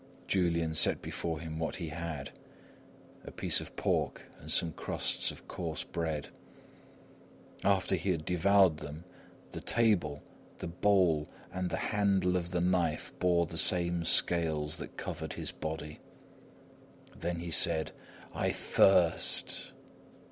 Julian set before him what he had, a piece of pork and some crusts of coarse bread. After he had devoured them, the table, the bowl, and the handle of the knife bore the same scales that covered his body. Then he said: "I thirst!"